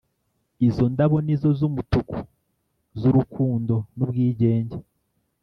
izo ndabo nizo z’umutuku z’urukundo n’ubwigenge.